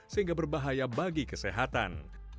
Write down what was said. sehingga berbahaya bagi kesehatan